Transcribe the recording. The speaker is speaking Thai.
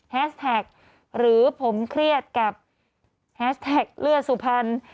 แท็กหรือผมเครียดกับแฮชแท็กเลือดสุพรรณ